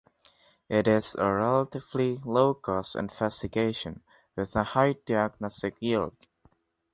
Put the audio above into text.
It is a relatively low-cost investigation with a high diagnostic yield.